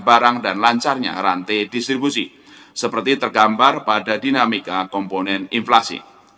barang dan lancarnya rantai distribusi seperti tergambar pada dinamika komponen inflasi